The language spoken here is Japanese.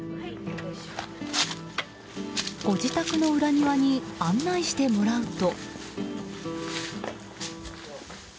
ご自宅の裏庭に案内してもらうと。